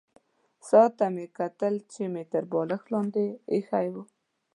ساعت ته مې وکتل چې مې تر بالښت لاندې ایښی وو.